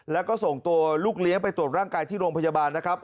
แล้วก็ส่งตัวลูกเลี้ยงไปตรวจร่างกายที่โรงพยาบาลนะครับ